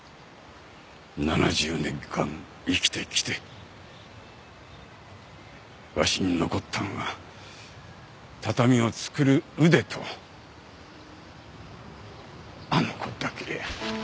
７０年間生きてきてわしに残ったんは畳を作る腕とあの子だけや。